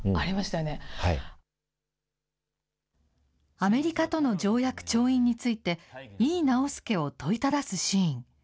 アメリカとの条約調印について、井伊直弼を問いただすシーン。